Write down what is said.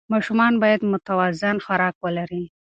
ماشومان باید متوازن خوراک ولري.